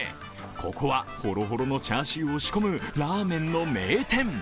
ここは、ほろほろのチャーシューを仕込むラーメンの名店。